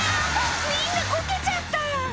みんなこけちゃった！